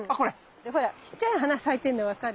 でほらちっちゃい花咲いてんの分かる？